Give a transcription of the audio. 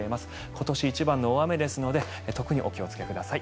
今年一番の大雨ですので特にお気をつけください。